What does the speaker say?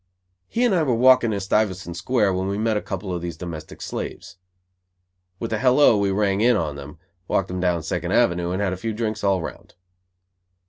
He and I were walking in Stuyvesant Square when we met a couple of these domestic slaves. With a "hello," we rang in on them, walked them down Second Avenue and had a few drinks all around.